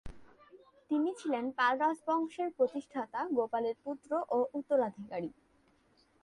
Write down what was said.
তিনি ছিলেন পাল রাজবংশের প্রতিষ্ঠাতা গোপালের পুত্র ও উত্তরাধিকারী।